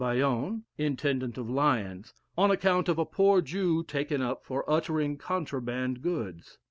Bâillon, Intendant of Lyons, on account of a poor Jew taken up for uttering contraband goods.